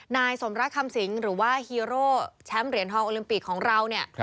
นายสมรักคำสิงหรือว่าฮีโร่แชมป์เหรียญทองโอลิมปิกของเราเนี่ย